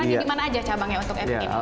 jadi mana aja cabangnya untuk epic itu